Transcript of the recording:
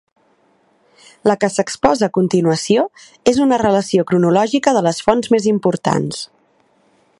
La que s'exposa a continuació és una relació cronològica de les fonts més importants.